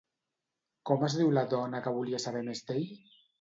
Com es diu la dona que volia saber més d'ell?